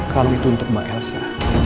kali itu untuk mbak elsa